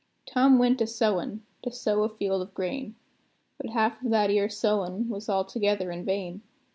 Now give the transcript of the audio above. Tom he went a sowin', to sow a field of grain; But half of that 'ere sowin' was altogether in vain.